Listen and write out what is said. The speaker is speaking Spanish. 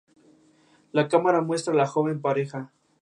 Se encuentra en la costa este de la India.